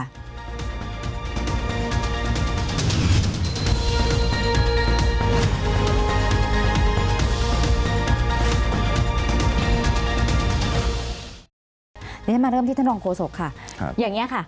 เดี๋ยวฉันมาเริ่มที่ท่านรองโฆษกค่ะอย่างนี้ค่ะ